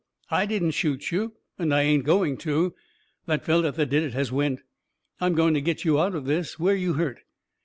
I didn't shoot you, and I ain't going to. The feller that did has went. I'm going to get you out of this. Where you hurt?"